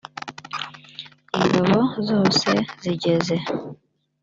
ingabo zose zigeze